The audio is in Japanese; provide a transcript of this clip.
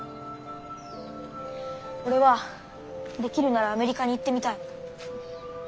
俺はできるならアメリカに行ってみたい。